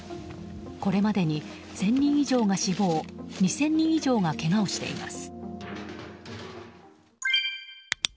これまでに１０００人以上が死亡２０００人以上がけがをしています。